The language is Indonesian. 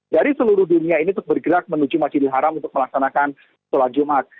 jadi seluruh dunia ini bergerak menuju masjidil haram untuk melaksanakan sholat jumat